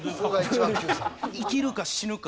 生きるか死ぬか。